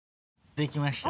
できました。